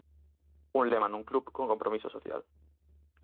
Un lema nun club con compromiso social.